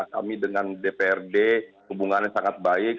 kami dengan dprd hubungannya sangat baik